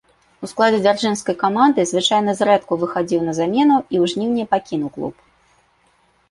У складзе дзяржынскай каманды звычайна зрэдку выхадзіў на замену, і ў жніўні пакінуў клуб.